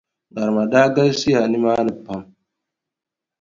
Ŋarima daa galisiya nimaani pam.